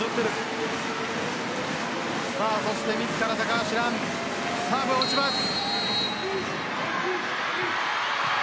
そして自ら、高橋藍サーブを打ちます。